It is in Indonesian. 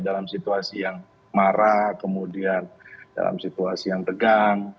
dalam situasi yang marah kemudian dalam situasi yang tegang